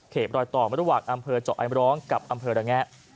รอยต่อระหว่างอำเภอเจาะไอมร้องกับอำเภอระแงะ